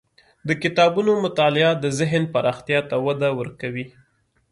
د کتابونو مطالعه د ذهن پراختیا ته وده ورکوي.